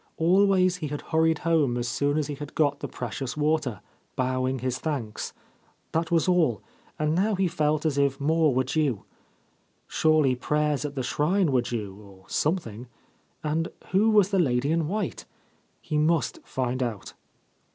Always he had hurried home as soon as he had got the precious water, bowing his thanks. That was all, and now he felt as if more were due. Surely prayers at the shrine were due, or something ; and who was the lady in white ? He must find out.